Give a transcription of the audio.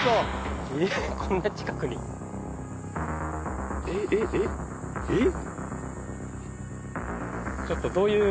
こんな近くにえっえっえっえっ？